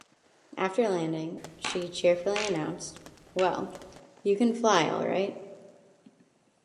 After landing, she cheerfully announced, Well, you can fly all right.